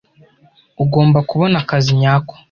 Ugomba kubona akazi nyako.